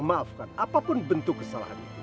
maafkan apapun bentuk kesalahan